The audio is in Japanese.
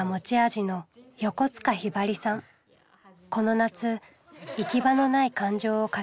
この夏行き場のない感情を書き留めた。